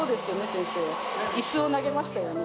先生、いすを投げましたよね。